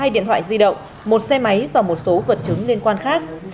hai điện thoại di động một xe máy và một số vật chứng liên quan khác